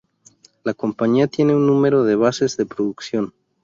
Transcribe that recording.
La compañía tiene un número de bases de producción.